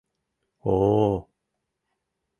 О-о-о-о!